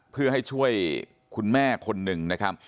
เพื่อให้ช่วยคุณแม่คนหนึ่งนะครับ